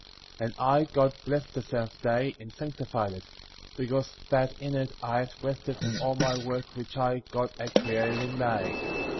^ 3. And I, God, blessed the seventh day, and sanctified it ; because that in it I had rested from all my work which I, God, had created and made.